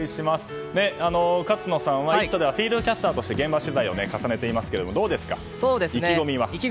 勝野さんは「イット！」ではフィールドキャスターとして現場取材を重ねていますがどうですか、意気込みは？